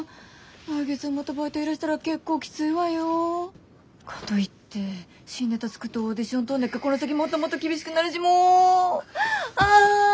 来月もまたバイト減らしたら結構キツいわよ。かといって新ネタ作ってオーディション通んなきゃこの先もっともっと厳しくなるしもうあ。